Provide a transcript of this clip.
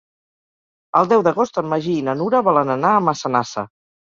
El deu d'agost en Magí i na Nura volen anar a Massanassa.